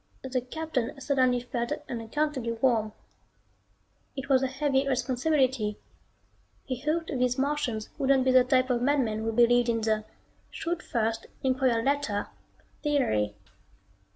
The Captain suddenly felt unaccountably warm. It was a heavy responsibility he hoped these Martians wouldn't be the type of madmen who believed in the "shoot first, inquire later" theory.